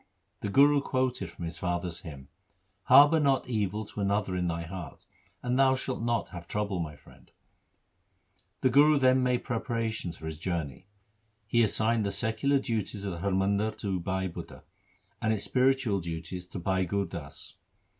The Guru quoted from his father's hymn :— Harbour not evil to another in thy heart, And thou shalt not have trouble, my friend. 3 The Guru then made preparations for his journey. He assigned the secular duties of the Har Mandar 4 to Bhai Budha, and its spiritual duties to Bhai Gur Das.